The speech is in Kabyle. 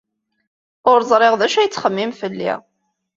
Ur ẓriɣ d acu ay tettxemmim fell-i.